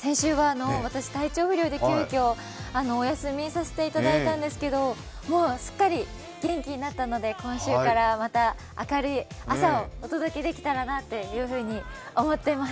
先週は私、体調不良で急きょ、お休みさせていただいたんですけどもうすっかり元気になったので、今週からまた明るい朝をお届けできたらなと思ってます。